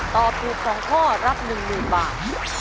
ตอบถูก๒ข้อรับ๑๐๐๐บาท